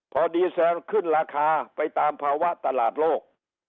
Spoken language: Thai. พอดีเซลขึ้นราคาไปตามภาวะตลาดโลก